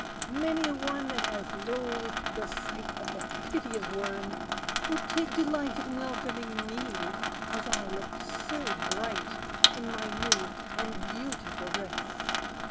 "Many a one that has loathed the sight Of the piteous worm, will take delight In welcoming me, as I look so bright In my new and beautiful dress.